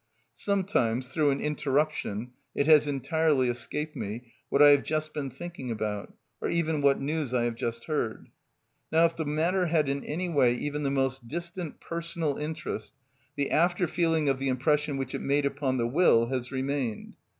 Sometimes, through an interruption, it has entirely escaped me what I have just been thinking about, or even what news I have just heard. Now if the matter had in any way even the most distant personal interest, the after feeling of the impression which it made upon the will has remained.